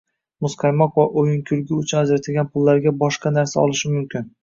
Muzqaymoq va o‘yin-kulgi uchun ajratilgan pullarga boshqa narsa olishi mumkin.